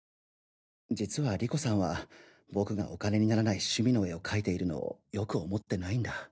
実は理子さんは僕がお金にならない趣味の絵を描いているのをよく思ってないんだ。